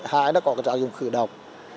hai là nó có tạng dùng khử độc